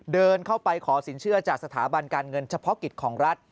เดินเข้าไปขอสินเชื่อจากสถาบันการเงินเฉพาะกิจของรัฐ